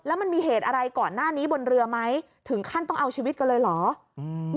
แล้วมันมีเหตุอะไรก่อนหน้านี้บนเรือไหมถึงขั้นต้องเอาชีวิตกันเลยเหรออืม